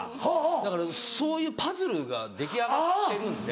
だからそういうパズルが出来上がってるんで。